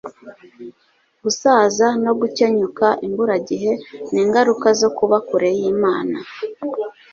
gusaza no gukenyuka imburagihe ni ingaruka zo kuba kure y'imana